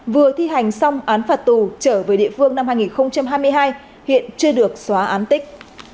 vừa thi hành xong án phạt tù trở về địa phương năm hai nghìn hai mươi hai hiện chưa được xóa án tích